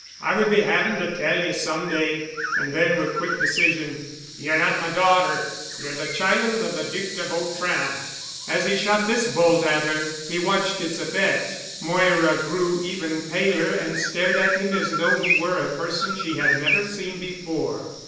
I would be having to tell you some day." And then, with quick decision. "Ye're not my daughter. Ye're the child of the Duc de Vautrin." As he shot this bolt at her, he watched its effect. Moira grew even paler and stared at him as though he were a person she had never seen before.